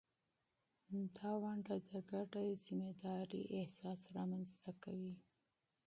دا ونډه د ګډ مسؤلیت احساس رامینځته کوي.